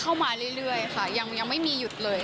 เข้ามาเรื่อยค่ะยังไม่มีหยุดเลย